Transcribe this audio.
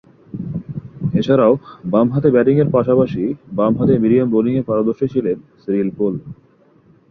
এছাড়াও, বামহাতে ব্যাটিংয়ের পাশাপাশি বামহাতে মিডিয়াম বোলিংয়ে পারদর্শী ছিলেন সিরিল পুল।